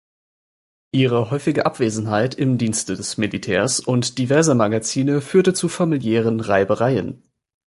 Ihre häufige Abwesenheit im Dienste des Militärs und diverser Magazine führte zu familiären Reibereien.